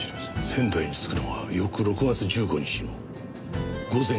仙台に着くのは翌６月１５日の午前４時３３分。